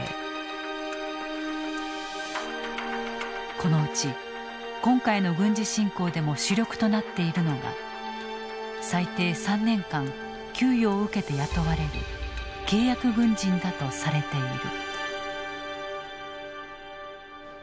このうち今回の軍事侵攻でも主力となっているのが最低３年間給与を受けて雇われる契約軍人だとされている。